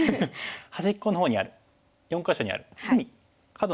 端っこの方にある４か所にある隅角の部分ですね。